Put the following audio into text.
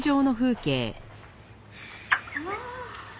「うん！」